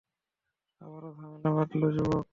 আবারও ঝামেলা বাঁধালে, যুবক।